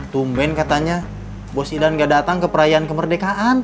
tumben katanya lusidan gak datang ke perayaan kemerdekaan